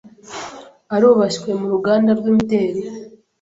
arubashywe mu ruganda rw’imideri